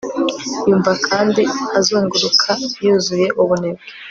Yumva kandi azunguruka yuzuye ubunebwe